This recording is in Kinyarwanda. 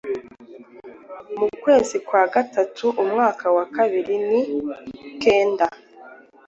mu kwezi kwa gatanu umwaka wa bibiri ni kenda